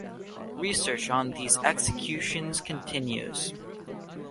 Research on these executions continues.